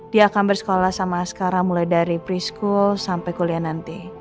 dia akan bersekolah sama askara mulai dari preschool sampai kuliah nanti